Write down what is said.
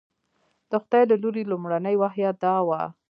د خدای له لوري لومړنۍ وحي دا وه.